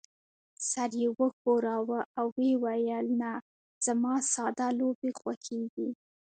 سر يې وښوراوه او وې ویل: نه، زما ساده لوبې خوښېږي.